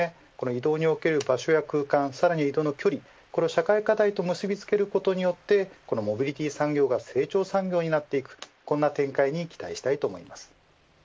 移動における場所や空間さらには移動の距離、これを社会課題と結びつけることによってこのモビリティ産業が成長産業になっていくこんな展開に期待したいと思います。